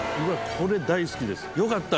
これ大好きですよかった